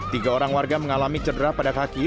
tiga orang warga mengalami cedera pada kaki